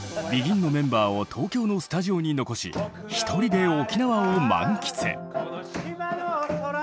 ＢＥＧＩＮのメンバーを東京のスタジオに残しひとりで沖縄を満喫！